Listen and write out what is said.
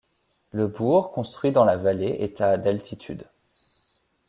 Le bourg, construit dans la vallée, est à d'altitude.